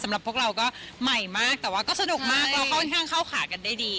พวกเราก็ใหม่มากแต่ว่าก็สนุกมากเราก็ค่อนข้างเข้าขากันได้ดี